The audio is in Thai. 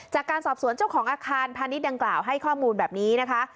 จากการสอบสวนเจ้าของอาคารพาณิชยดังกล่าวให้ข้อมูลแบบนี้นะคะ